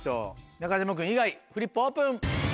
中島君以外フリップオープン。